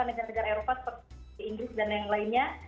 negara negara eropa seperti inggris dan yang lainnya